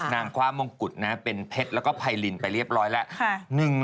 คว้ามงกุฎนะเป็นเพชรแล้วก็ไพรินไปเรียบร้อยแล้ว